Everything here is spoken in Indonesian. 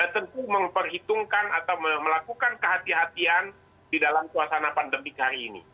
tentu memperhitungkan atau melakukan kehati hatian di dalam suasana pandemi hari ini